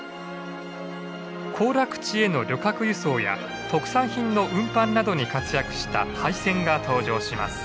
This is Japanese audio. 行楽地への旅客輸送や特産品の運搬などに活躍した廃線が登場します。